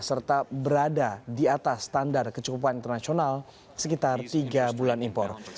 serta berada di atas standar kecukupan internasional sekitar tiga bulan impor